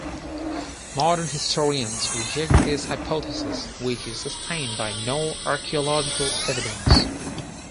Modern historians reject this hypothesis, which is sustained by no archaeological evidence.